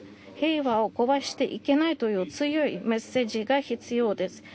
平和を壊していけないという強いメッセージが必要です。